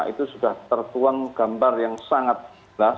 itu sudah tertuang gambar yang sangat jelas